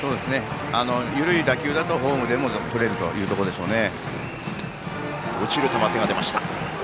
緩い打球だと、ホームでもとれるというところでしょうね。